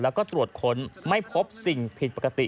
แล้วก็ตรวจค้นไม่พบสิ่งผิดปกติ